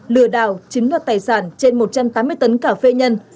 lừa đào chính hoạt tài sản trên một trăm tám mươi tấn cà phê nhân